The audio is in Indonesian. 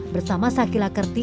bersama sakila kerti